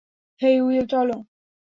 হেই, Will, চল।